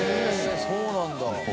そうなんだ。